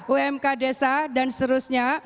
umk desa dan seterusnya